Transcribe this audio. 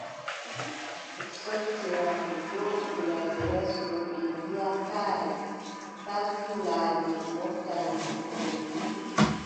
Ɓe sottina, ɓe joɗɗina genes ɗo ɓe mbiaʼa : kay saaki laamiiɗo moftani ɓe ko ɓe ngiɗi.